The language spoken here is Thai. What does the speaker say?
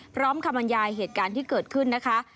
พร้อมคำอนญายเหตุการณ์ที่เกิดขึ้นนะคะ